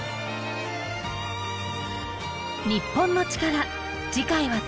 『日本のチカラ』次回は徳島県。